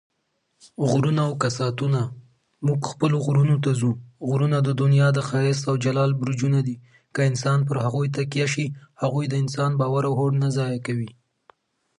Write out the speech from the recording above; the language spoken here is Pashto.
قدرت باید د خدمت وسیله وي